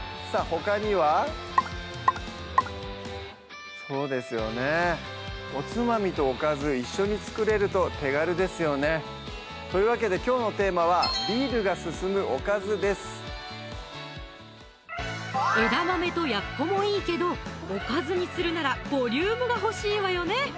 ほかにはそうですよねおつまみとおかず一緒に作れると手軽ですよねというわけできょうのテーマは「ビールが進むおかず」です枝豆とやっこもいいけどおかずにするならボリュームが欲しいわよね！